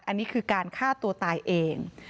อันนี้คือการฆ่าตัวตายเอง